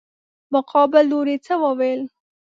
مقابل لوري څه وويل.